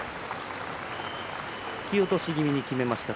突き落とし気味にきめました。